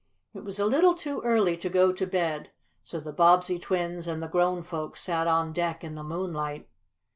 It was a little too early to go to bed, so the Bobbsey twins and the grown folks sat on deck in the moonlight.